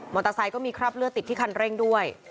เตอร์ไซค์ก็มีคราบเลือดติดที่คันเร่งด้วย